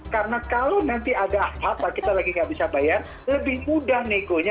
karena kalau nanti ada apa kita lagi nggak bisa bayar lebih mudah negonya